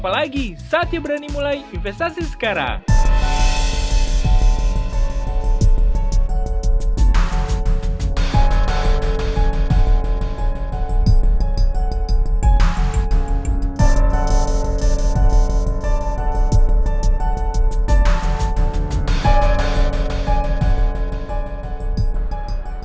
apalagi saat dia berani mulai investasi sekarang